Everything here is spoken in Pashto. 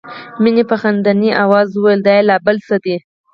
مينې په خندني آواز وویل دا یې لا بله څه ده